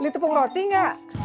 beli tepung roti nggak